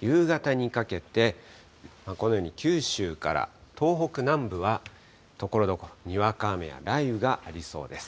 夕方にかけて、このように九州から東北南部は、ところどころにわか雨や雷雨がありそうです。